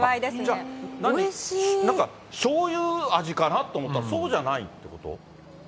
じゃあ、しょうゆ味かなと思ったら、そうじゃないってこと？